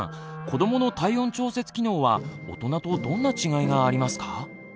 子どもの体温調節機能は大人とどんな違いがありますか？